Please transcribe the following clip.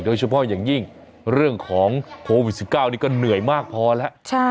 โดยเฉพาะอย่างยิ่งเรื่องของโควิด๑๙นี่ก็เหนื่อยมากพอแล้ว